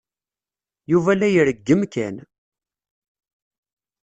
Yuba la ireggem Ken.